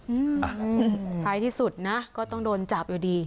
อืมท้ายที่สุดนะก็ต้องโดนจับอยู่ดี